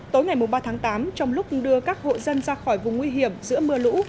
tối ngày ba tháng tám trong lúc đưa các hộ dân ra khỏi vùng nguy hiểm giữa mưa lũ